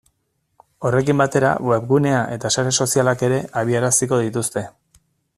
Horrekin batera webgunea eta sare sozialak ere abiaraziko dituzte.